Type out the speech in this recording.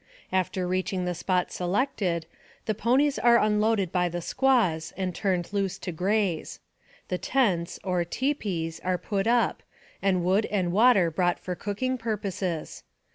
After reaching the spot selected, the ponies are unloaded by the squaws, and turned loose to graze. The tents, or " tipis," are put up, and wood and water brought for cooking purposes.